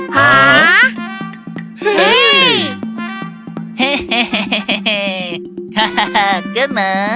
hehehe hahaha kena